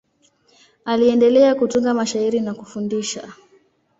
Aliendelea kutunga mashairi na kufundisha.